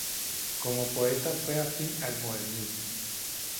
Como poeta fue afín al Modernismo.